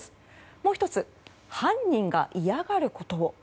もう１つ、犯人が嫌がることを。